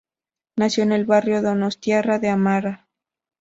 Nació en el barrio donostiarra de Amara.